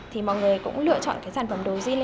thì mọi người cũng lựa chọn cái sản phẩm đầu diện